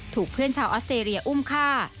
ถูกเพื่อนชาวออสเตรเลียอุ้มฆ่า